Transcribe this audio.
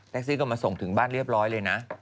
ซี่ก็มาส่งถึงบ้านเรียบร้อยเลยนะ